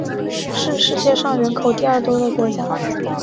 是世界上人口第二多的国家。